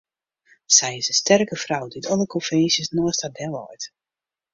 Sy is in sterke frou dy't alle konvinsjes neist har delleit.